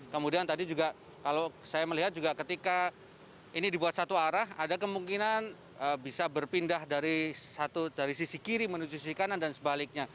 kemudian tadi juga kalau saya melihat juga ketika ini dibuat satu arah ada kemungkinan bisa berpindah dari satu dari sisi kiri menuju sisi kanan dan sebaliknya